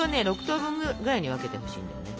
６等分ぐらいに分けてほしいんだよね。